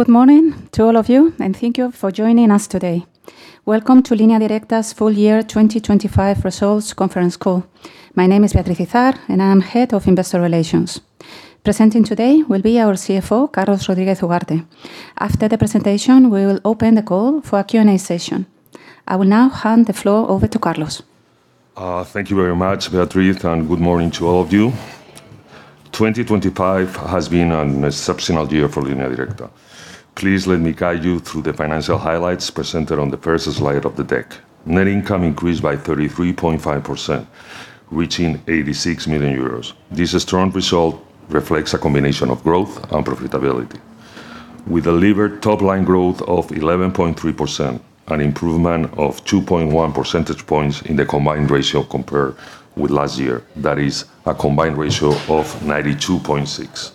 Good morning to all of you, and thank you for joining us today. Welcome to Línea Directa's Full Year 2025 Results Conference Call. My name is Beatriz Izard, and I'm Head of Investor Relations. Presenting today will be our CFO, Carlos Rodriguez Ugarte. After the presentation, we will open the call for a Q&A session. I will now hand the floor over to Carlos. Thank you very much, Beatriz, and good morning to all of you. 2025 has been an exceptional year for Línea Directa. Please let me guide you through the financial highlights presented on the first slide of the deck. Net income increased by 33.5%, reaching 86 million euros. This strong result reflects a combination of growth and profitability. We delivered top-line growth of 11.3%, an improvement of 2.1 percentage points in the combined ratio compared with last year. That is a combined ratio of 92.6%.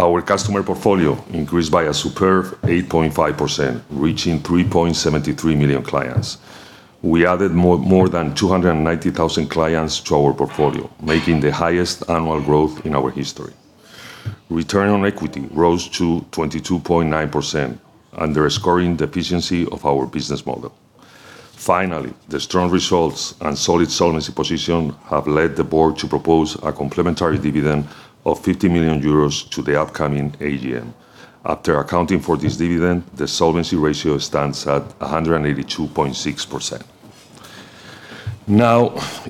Our customer portfolio increased by a superb 8.5%, reaching 3.73 million clients. We added more than 290,000 clients to our portfolio, making the highest annual growth in our history. Return on equity rose to 22.9%, underscoring the efficiency of our business model. The strong results and solid solvency position have led the board to propose a complementary dividend of 50 million euros to the upcoming AGM. After accounting for this dividend, the solvency ratio stands at 182.6%.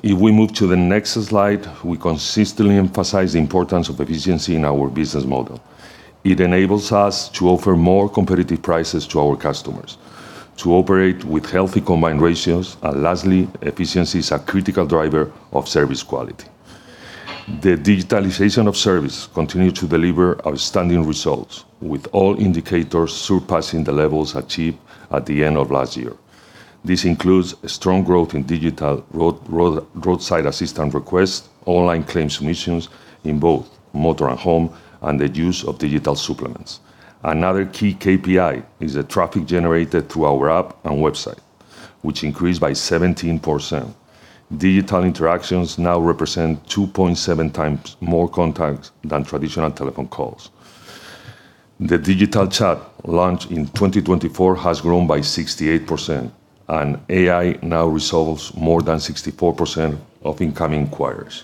If we move to the next slide, we consistently emphasize the importance of efficiency in our business model. It enables us to offer more competitive prices to our customers, to operate with healthy combined ratios, and lastly, efficiency is a critical driver of service quality. The digitalization of service continued to deliver outstanding results, with all indicators surpassing the levels achieved at the end of last year. This includes strong growth in digital roadside assistance requests, online claim submissions in both motor and home, and the use of digital supplements. Another key KPI is the traffic generated through our app and website, which increased by 17%. Digital interactions now represent 2.7x more contacts than traditional telephone calls. The digital chat, launched in 2024, has grown by 68%, and AI now resolves more than 64% of incoming inquiries.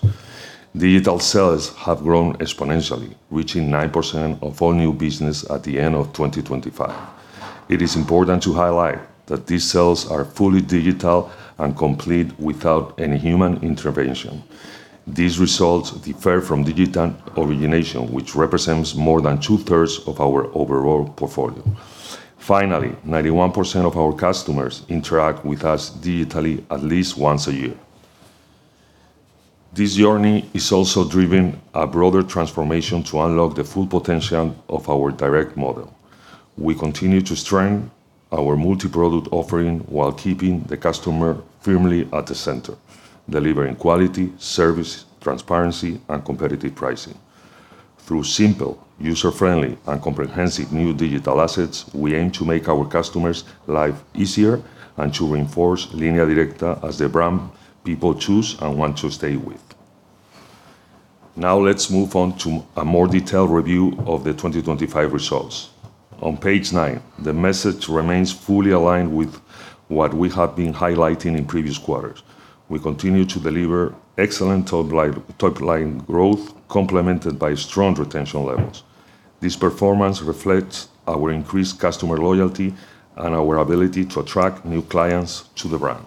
Digital sales have grown exponentially, reaching 9% of all new business at the end of 2025. It is important to highlight that these sales are fully digital and complete without any human intervention. These results differ from digital origination, which represents more than two-thirds of our overall portfolio. Finally, 91% of our customers interact with us digitally at least once a year. This journey is also driven a broader transformation to unlock the full potential of our direct model. We continue to strengthen our multi-product offering while keeping the customer firmly at the center, delivering quality, service, transparency, and competitive pricing. Through simple, user-friendly, and comprehensive new digital assets, we aim to make our customers' life easier and to reinforce Línea Directa as the brand people choose and want to stay with. Now, let's move on to a more detailed review of the 2025 results. On page 9, the message remains fully aligned with what we have been highlighting in previous quarters. We continue to deliver excellent top-line growth, complemented by strong retention levels. This performance reflects our increased customer loyalty and our ability to attract new clients to the brand.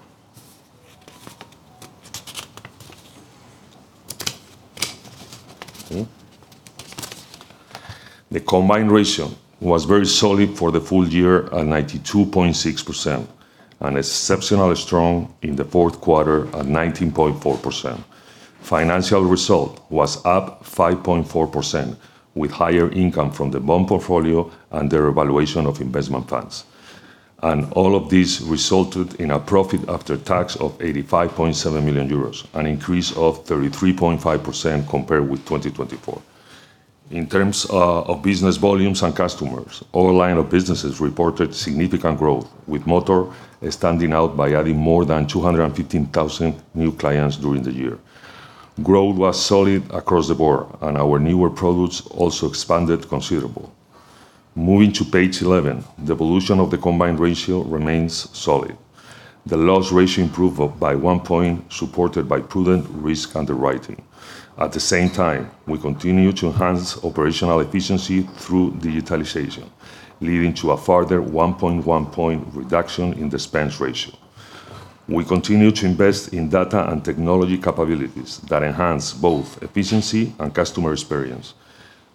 The combined ratio was very solid for the full year at 92.6% and exceptionally strong in the fourth quarter at 19.4%. Financial result was up 5.4%, with higher income from the bond portfolio and the evaluation of investment funds. All of this resulted in a profit after tax of 85.7 million euros, an increase of 33.5% compared with 2024. In terms of business volumes and customers, all line of businesses reported significant growth, with motor standing out by adding more than 215,000 new clients during the year. Growth was solid across the board, and our newer products also expanded considerable. Moving to page 11, the evolution of the combined ratio remains solid. The loss ratio improved by 1 point, supported by prudent risk underwriting. At the same time, we continue to enhance operational efficiency through digitalization, leading to a further 1.1 point reduction in the expense ratio. We continue to invest in data and technology capabilities that enhance both efficiency and customer experience.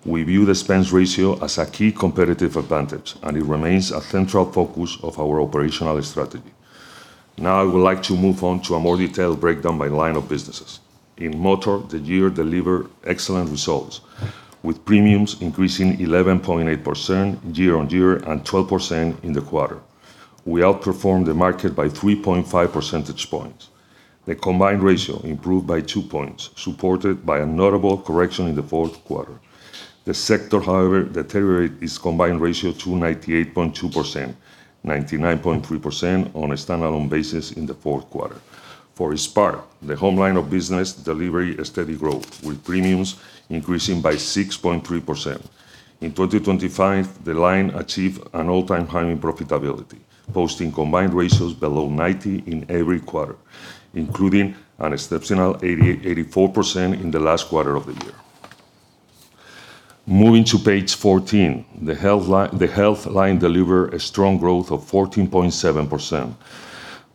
We view the expense ratio as a key competitive advantage, and it remains a central focus of our operational strategy. Now, I would like to move on to a more detailed breakdown by line of businesses. In motor, the year delivered excellent results, with premiums increasing 11.8% year-on-year and 12% in the quarter. We outperformed the market by 3.5 percentage points. The combined ratio improved by 2 points, supported by a notable correction in the fourth quarter. The sector, however, deteriorated its combined ratio to 98.2%, 99.3% on a standalone basis in the fourth quarter. For its part, the home line of business delivered a steady growth, with premiums increasing by 6.3%. In 2025, the line achieved an all-time high in profitability, posting combined ratios below 90% in every quarter, including an exceptional 84% in the last quarter of the year. Moving to page 14, the health line deliver a strong growth of 14.7%.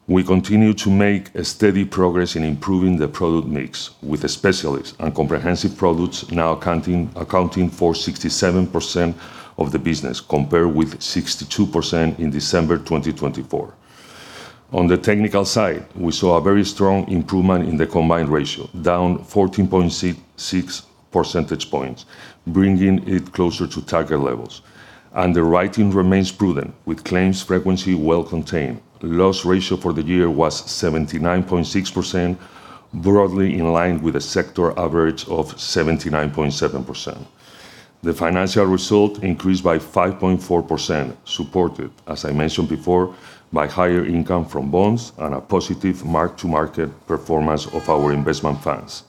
We continue to make a steady progress in improving the product mix, with specialist and comprehensive products now accounting for 67% of the business, compared with 62% in December 2024. On the technical side, we saw a very strong improvement in the combined ratio, down 14.6 percentage points, bringing it closer to target levels. Underwriting remains prudent, with claims frequency well contained. Loss ratio for the year was 79.6%, broadly in line with the sector average of 79.7%. The financial result increased by 5.4%, supported, as I mentioned before, by higher income from bonds and a positive mark-to-market performance of our investment funds.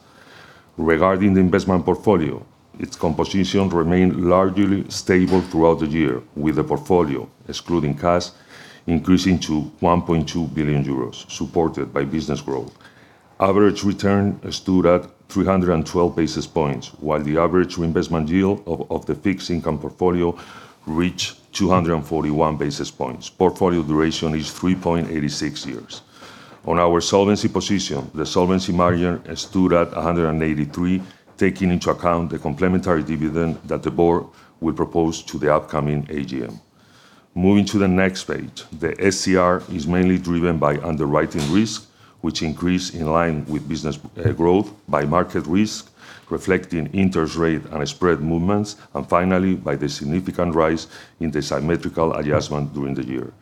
Regarding the investment portfolio, its composition remained largely stable throughout the year, with the portfolio, excluding cash, increasing to 1.2 billion euros, supported by business growth. Average return stood at 312 basis points, while the average investment yield of, of the fixed income portfolio reached 241 basis points. Portfolio duration is 3.86 years. On our solvency position, the solvency margin stood at 183%, taking into account the complimentary dividend that the board will propose to the upcoming AGM. Moving to the next page, the SCR is mainly driven by underwriting risk, which increased in line with business growth, by market risk, reflecting interest rate and spread movements, and finally, by the significant rise in the symmetrical adjustment during the year.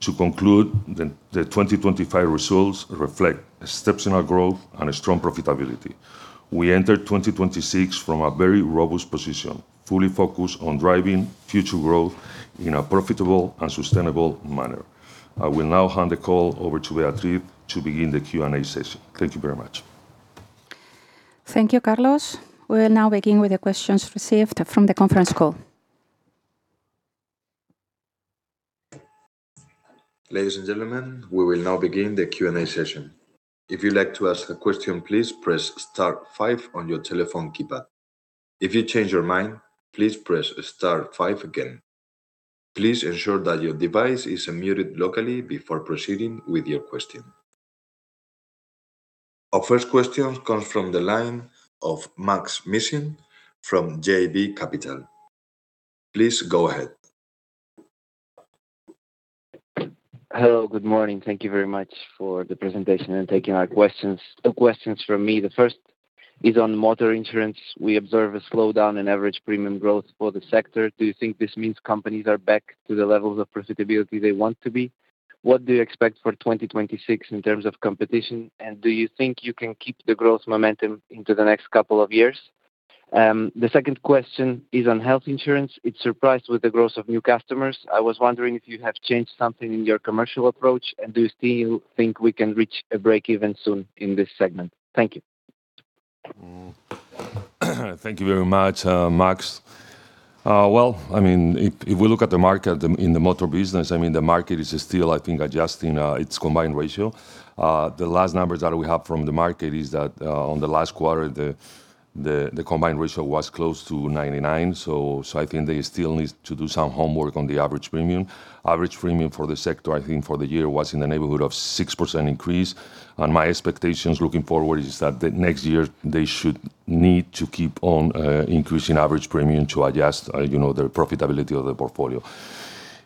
To conclude, 2025 results reflect exceptional growth and a strong profitability. We entered 2026 from a very robust position, fully focused on driving future growth in a profitable and sustainable manner. I will now hand the call over to Beatriz to begin the Q&A session. Thank you very much. Thank you, Carlos. We will now begin with the questions received from the conference call. Ladies and gentlemen, we will now begin the Q&A session. If you'd like to ask a question, please press star five on your telephone keypad. If you change your mind, please press star five again. Please ensure that your device is unmuted locally before proceeding with your question. Our first question comes from the line of Maksym Mishyn from JB Capital. Please go ahead. Hello, good morning. Thank you very much for the presentation and taking our questions. Two questions from me. The first is on motor insurance. We observe a slowdown in average premium growth for the sector. Do you think this means companies are back to the levels of profitability they want to be? What do you expect for 2026 in terms of competition? Do you think you can keep the growth momentum into the next couple of years? The second question is on health insurance. It surprised with the growth of new customers. I was wondering if you have changed something in your commercial approach, and do you still think we can reach a break even soon in this segment? Thank you. Thank you very much, Max. Well, I mean, if we look at the market in the motor business, I mean, the market is still, I think, adjusting its combined ratio. The last numbers that we have from the market is that on the last quarter, the, the, the combined ratio was close to 99%. I think they still need to do some homework on the average premium. Average premium for the sector, I think for the year, was in the neighborhood of 6% increase. My expectations looking forward is that the next year they should need to keep on increasing average premium to adjust, you know, the profitability of the portfolio.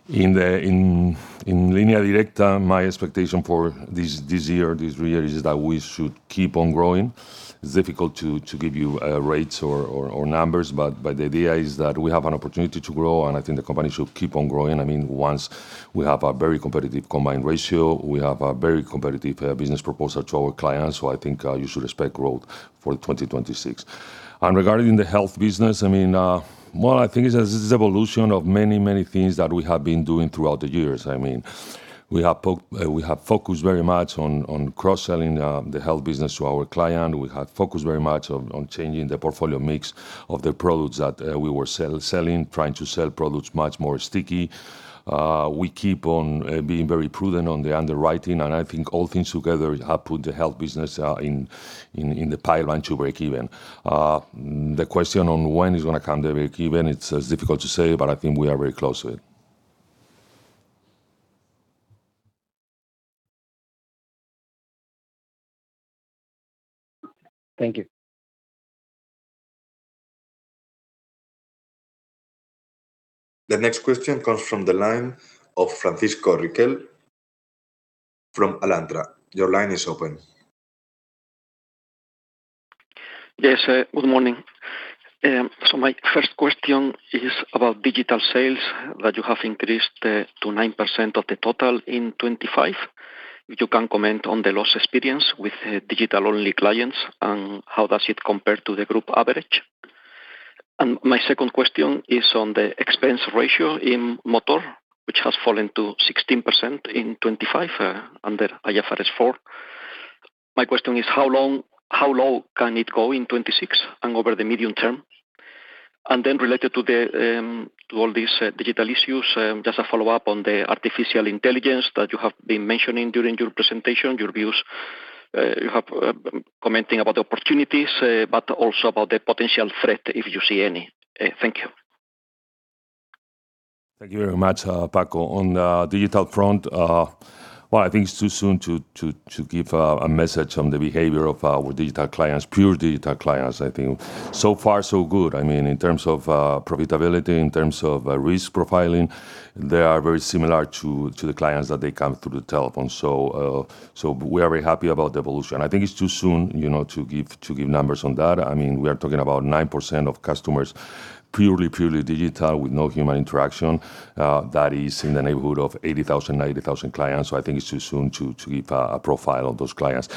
In the Línea Directa, my expectation for this, this year, this year, is that we should keep on growing. It's difficult to, to give you rates or, or, or numbers, but the idea is that we have an opportunity to grow, and I think the company should keep on growing. I mean, once we have a very competitive combined ratio, we have a very competitive business proposal to our clients. I think you should expect growth for 2026. Regarding the health business, I mean, well, I think it's an evolution of many, many things that we have been doing throughout the years. I mean, we have focused very much on, on cross-selling the health business to our client. We have focused very much on, on changing the portfolio mix of the products that we were selling, trying to sell products much more sticky. We keep on being very prudent on the underwriting, and I think all things together have put the health business in the pipeline to break even. The question on when is gonna come the break even, it's difficult to say, but I think we are very close to it. Thank you. The next question comes from the line of Francisco Riquel from Alantra. Your line is open. Yes, good morning. My first question is about digital sales, that you have increased to 9% of the total in 2025. If you can comment on the loss experience with digital-only clients, and how does it compare to the group average? My second question is on the expense ratio in motor, which has fallen to 16% in 2025, under IFRS 4. My question is, how long, how low can it go in 26 and over the medium term? Related to the to all these digital issues, just a follow-up on the artificial intelligence that you have been mentioning during your presentation, your views. You have commenting about the opportunities, but also about the potential threat, if you see any. Thank you. Thank you very much, Paco. On the digital front, well, I think it's too soon to, to, to give a message on the behavior of our digital clients, pure digital clients. I think so far so good. I mean, in terms of profitability, in terms of risk profiling, they are very similar to, to the clients that they come through the telephone. We are very happy about the evolution. I think it's too soon, you know, to give, to give numbers on that. I mean, we are talking about 9% of customers, purely, purely digital with no human interaction. That is in the neighborhood of 80,000, 90,000 clients. I think it's too soon to, to give a profile of those clients.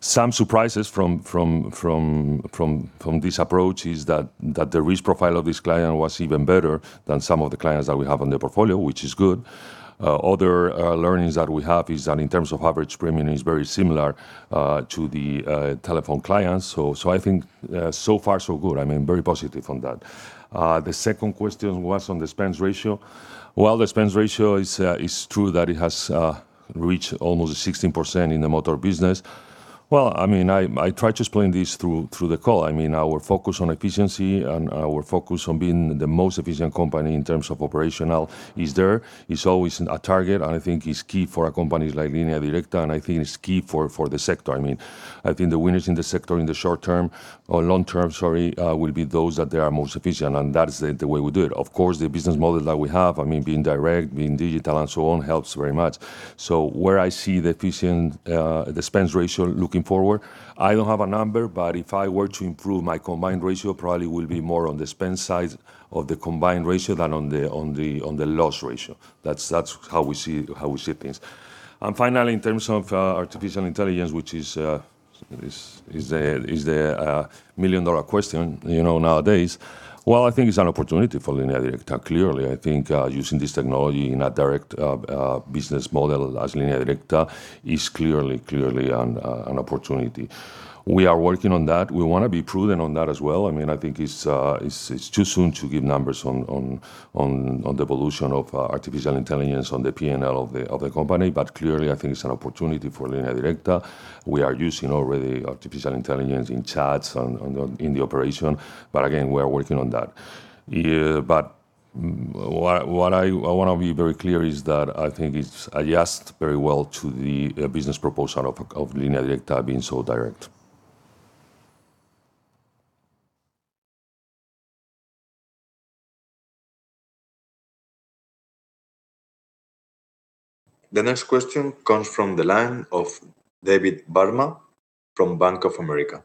Some surprises from this approach is that the risk profile of this client was even better than some of the clients that we have on the portfolio, which is good. Other learnings that we have is that in terms of average premium is very similar to the telephone clients. So, so I think so far so good. I mean, very positive on that. The second question was on the spends ratio. Well, the spends ratio is true that it has reached almost 16% in the motor business. Well, I mean, I tried to explain this through, through the call. I mean, our focus on efficiency and our focus on being the most efficient company in terms of operational is there. It's always a target, and I think it's key for a company like Línea Directa, and I think it's key for, for the sector. I mean, I think the winners in the sector in the short term or long term, sorry, will be those that they are most efficient, and that is the, the way we do it. Of course, the business model that we have, I mean, being direct, being digital, and so on, helps very much. Where I see the efficient, the spends ratio looking forward, I don't have a number, but if I were to improve, my combined ratio probably will be more on the spend side of the combined ratio than on the loss ratio. That's, that's how we see, how we see things. Finally, in terms of artificial intelligence, which is a $1 million question, you know, nowadays. Well, I think it's an opportunity for Línea Directa. Clearly, I think, using this technology in a direct business model as Línea Directa is clearly, clearly an opportunity. We are working on that. We want to be prudent on that as well. I mean, I think it's, it's too soon to give numbers on the evolution of artificial intelligence on the P&L of the company. Clearly, I think it's an opportunity for Línea Directa. We are using already artificial intelligence in chats and on-- in the operation, but again, we are working on that. What I want to be very clear is that I think it's adjust very well to the business proposal of Línea Directa being so direct. The next question comes from the line of David Barma from Bank of America.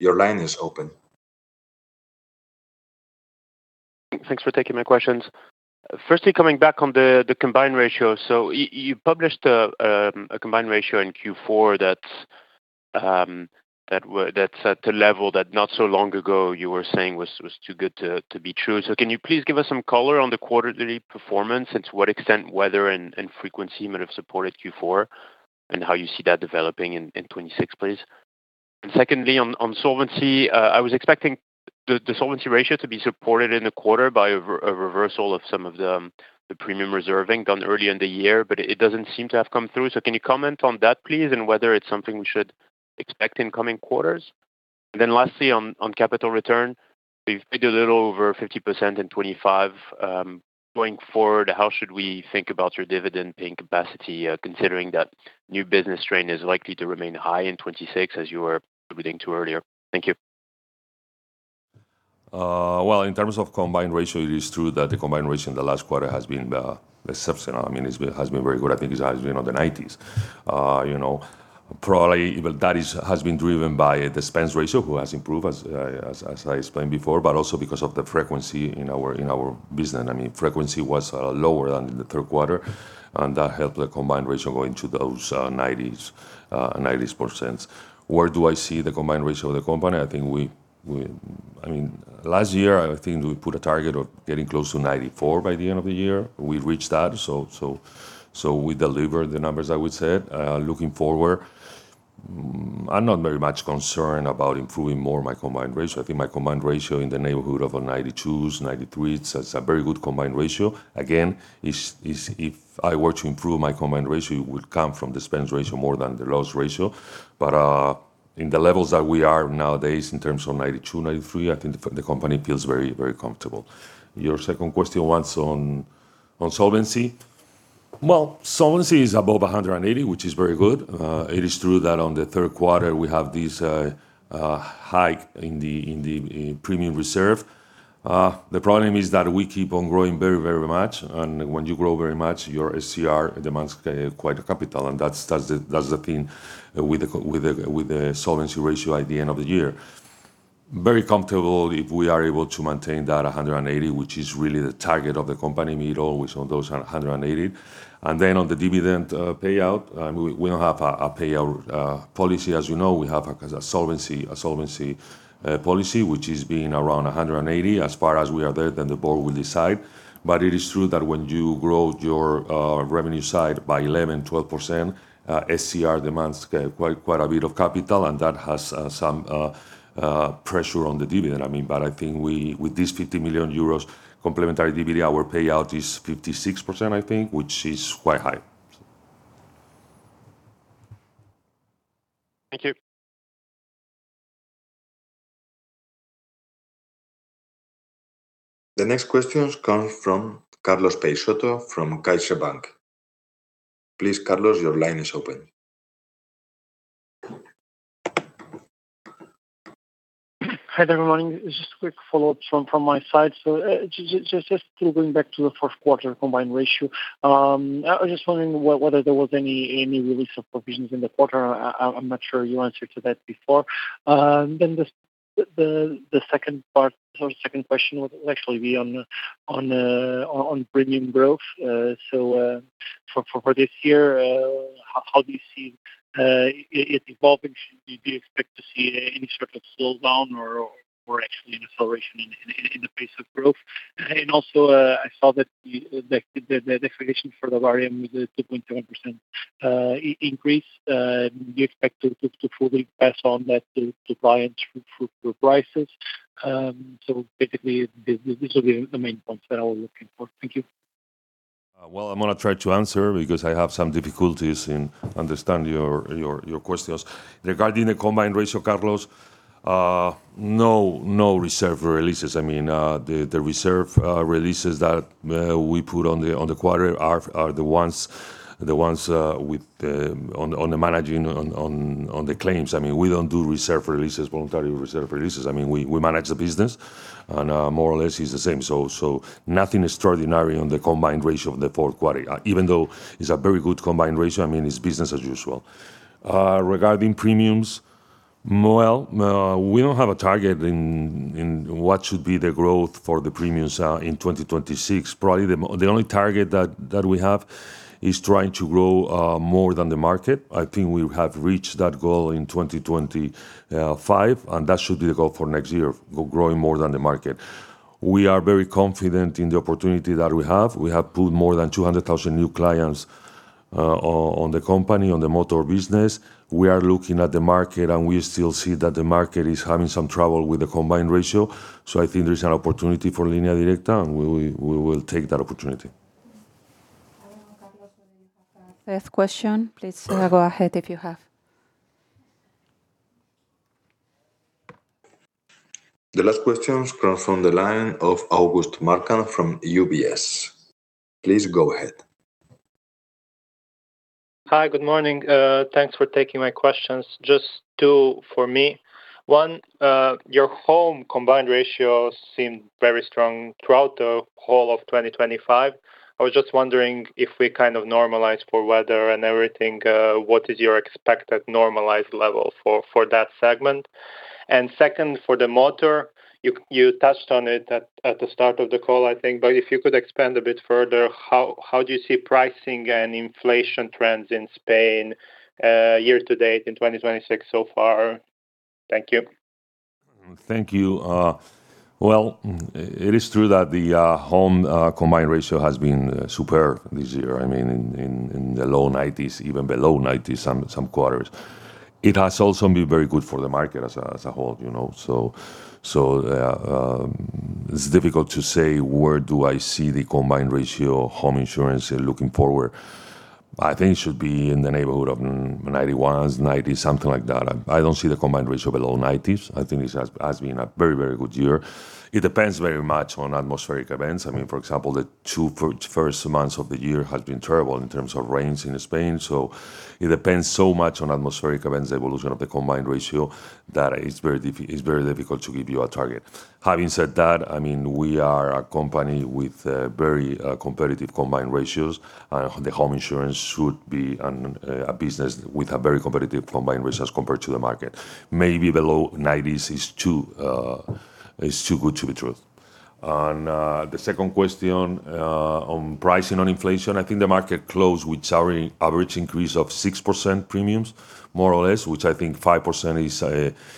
Your line is open. Thanks for taking my questions. Firstly, coming back on the, the combined ratio. You published a combined ratio in Q4 that that's at a level that not so long ago you were saying was, was too good to be true. Can you please give us some color on the quarterly performance, and to what extent weather and, and frequency might have supported Q4, and how you see that developing in 2026, please? Secondly, on solvency, I was expecting the, the solvency ratio to be supported in the quarter by a reversal of some of the, the premium reserving done early in the year, but it doesn't seem to have come through. Can you comment on that, please, and whether it's something we should expect in coming quarters? Then lastly, on capital return, we've paid a little over 50% in 2025. Going forward, how should we think about your dividend-paying capacity, considering that new business strain is likely to remain high in 2026, as you were alluding to earlier? Thank you. Well, in terms of combined ratio, it is true that the combined ratio in the last quarter has been exceptional. I mean, has been very good. I think it's, as you know, the 90s. You know, probably, well, that has been driven by the spends ratio, who has improved, as I explained before, but also because of the frequency in our business. I mean, frequency was lower than the third quarter, that helped the combined ratio go into those 90s, 90%. Where do I see the combined ratio of the company? I think we-- I mean, last year, I think we put a target of getting close to 94% by the end of the year. We've reached that, so we delivered the numbers, I would say. Looking forward, I'm not very much concerned about improving more my combined ratio. I think my combined ratio in the neighborhood of a 92s, 93s, that's a very good combined ratio. Again, if I were to improve my combined ratio, it would come from the spends ratio more than the loss ratio. In the levels that we are nowadays, in terms of 92%, 93%, I think the company feels very, very comfortable. Your second question was on solvency. Well, solvency is above 180%, which is very good. It is true that on the third quarter, we have this hike in the premium reserve. The problem is that we keep on growing very, very much, and when you grow very much, your SCR demands quite a capital, and that's, that's the, that's the thing with the solvency ratio at the end of the year. Very comfortable if we are able to maintain that 180%, which is really the target of the company, meet always on those 180%. Then on the dividend payout, we, we don't have a payout policy, as you know. We have a solvency, a solvency policy, which is being around 180%. As far as we are there, then the board will decide. It is true that when you grow your revenue side by 11%, 12%, SCR demands quite, quite a bit of capital, and that has some pressure on the dividend. I mean, but I think with this 50 million euros complementary dividend, our payout is 56%, I think, which is quite high. Thank you. The next question comes from Carlos Peixoto from CaixaBank. Please, Carlos, your line is open. Hi there. Good morning. Just a quick follow-up from, from my side. Going back to the fourth quarter combined ratio, I was just wondering whether there was any, any release of provisions in the quarter. I'm not sure you answered to that before. Then the second part or the second question would actually be on premium growth. For this year, how do you see it evolving? Should we expect to see any sort of slowdown or actually an acceleration in, in, in the pace of growth? Also, I saw that the deflation for the baremo, the 2.1% increase. Do you expect to fully pass on that to clients through prices? So basically, these are the main points that I was looking for. Thank you. Well, I'm gonna try to answer because I have some difficulties in understanding your, your, your questions. Regarding the combined ratio, Carlos, no reserve releases. I mean, the, the reserve releases that we put on the quarter are the ones, the ones with the on the, on the managing on the claims. I mean, we don't do reserve releases, voluntary reserve releases. I mean, we, we manage the business, and, more or less it's the same. Nothing extraordinary on the combined ratio of the fourth quarter. Even though it's a very good combined ratio, I mean, it's business as usual. Regarding premiums, well, we don't have a target in, in what should be the growth for the premiums in 2026. Probably the only target that, that we have is trying to grow more than the market. I think we have reached that goal in 2025, and that should be the goal for next year, go growing more than the market. We are very confident in the opportunity that we have. We have pulled more than 200,000 new clients on, on the company, on the motor business. We are looking at the market, and we still see that the market is having some trouble with the combined ratio. So I think there's an opportunity for Línea Directa, and we will take that opportunity. Last question. Please, go ahead if you have. The last question comes from the line of August Marčan from UBS. Please go ahead. Hi, good morning. Thanks for taking my questions. Just two for me. One, your home combined ratio seemed very strong throughout the whole of 2025. I was just wondering, if we kind of normalize for weather and everything, what is your expected normalized level for, for that segment? Second, for the motor, you, you touched on it at, at the start of the call, I think, but if you could expand a bit further, how, how do you see pricing and inflation trends in Spain, year to date in 2026 so far? Thank you. Thank you. Well, it is true that the home combined ratio has been superb this year. I mean, in the low 90s, even below 90s, some quarters. It has also been very good for the market as a whole, you know, so it's difficult to say, where do I see the combined ratio of home insurance looking forward? I think it should be in the neighborhood of 91%, 90%, something like that. I don't see the combined ratio below 90s. I think it has been a very, very good year. It depends very much on atmospheric events. I mean, for example, the two first months of the year has been terrible in terms of rains in Spain. It depends so much on atmospheric events, the evolution of the combined ratio, that it's very difficult to give you a target. Having said that, I mean, we are a company with very competitive combined ratios, and the home insurance should be a business with a very competitive combined ratios compared to the market. Maybe below 90s is too good to be true. On the second question, on pricing, on inflation, I think the market closed with our average increase of 6% premiums, more or less, which I think 5%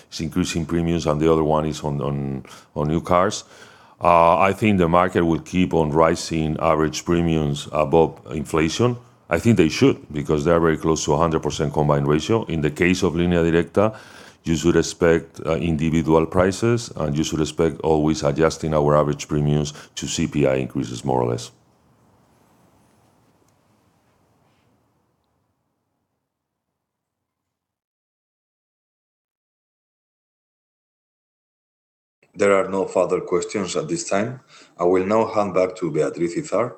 is increase in premiums, and the other one is on new cars. I think the market will keep on rising average premiums above inflation. I think they should, because they are very close to a 100% combined ratio. In the case of Línea Directa, you should expect, individual prices, and you should expect always adjusting our average premiums to CPI increases, more or less. There are no further questions at this time. I will now hand back to Beatriz Izard,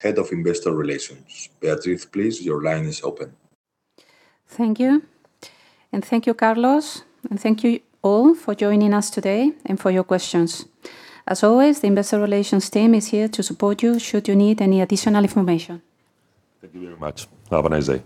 Head of Investor Relations. Beatriz, please, your line is open. Thank you. Thank you, Carlos, and thank you all for joining us today and for your questions. As always, the investor relations team is here to support you should you need any additional information. Thank you very much. Have a nice day.